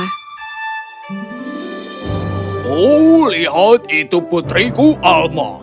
oh lihat itu putriku alma